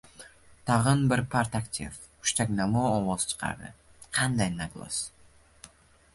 Tag‘in bir partaktiv hushtaknamo ovoz chiqardi. — Qanday naglost!